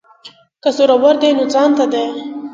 که زورور دی نو ځانته دی.